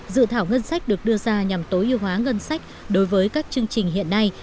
dự thảo ngân sách được đưa ra nhằm tối ưu hóa ngân sách đối với các chương trình hiện nay